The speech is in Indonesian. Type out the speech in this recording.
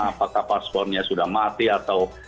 apakah paspornya sudah mati atau